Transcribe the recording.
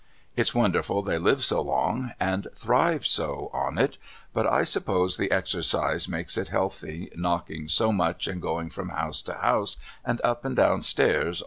It's wonderful they live so long and thrive so on it but I suppose the exercise makes it healthy, knocking so much and going from house to house and up and down stairs all 328 MRS.